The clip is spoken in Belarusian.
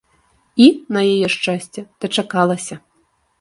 І, на яе шчасце, дачакалася.